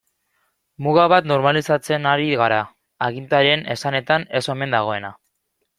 Muga bat normalizatzen ari gara, agintarien esanetan ez omen dagoena.